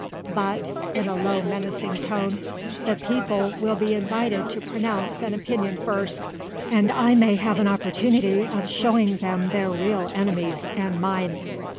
But," in a low menacing tone, "the people will be invited to pronounce an opinion first, and I may have an opportunity of showing them their real enemies and mine."